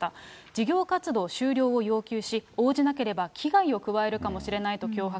事業活動終了を要求し、応じなければ危害を加えるかもしれないと脅迫。